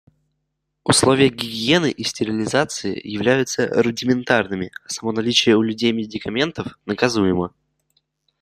Условия гигиены и стерилизации являются рудиментарными, а само наличие у людей медикаментов наказуемо.